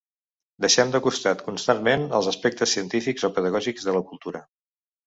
Deixem de costat constantment els aspectes científics o pedagògics de la cultura.